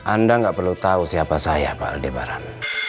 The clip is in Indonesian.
anda gak perlu tahu siapa saya pak aldebaran